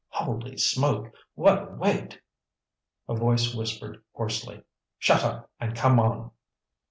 "Holy smoke! what a weight!" a voice whispered hoarsely. "Shut up and come on!"